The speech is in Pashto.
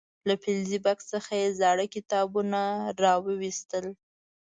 له فلزي بکس څخه یې زاړه کتابونه راو ویستل.